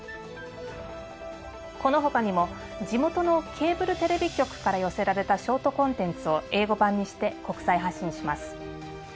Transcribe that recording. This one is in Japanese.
この他にも地元のケーブルテレビ局から寄せられたショートコンテンツを英語版にして国際発信します。